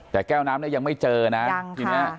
แต่แก้วน้ำนั้นยังไม่เจอนะยังค่ะ